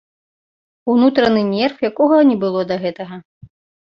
Унутраны нерв, якога не было да гэтага.